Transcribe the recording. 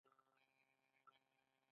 تاسو ښکلي یاست